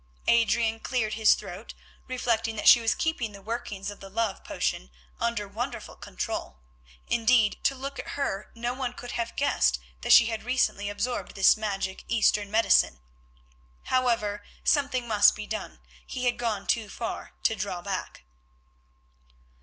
Adrian cleared his throat, reflecting that she was keeping the workings of the love potion under wonderful control; indeed to look at her no one could have guessed that she had recently absorbed this magic Eastern medicine. However, something must be done; he had gone too far to draw back.